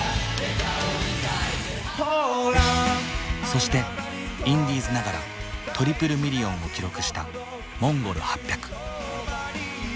そしてインディーズながらトリプルミリオンを記録したＭＯＮＧＯＬ８００。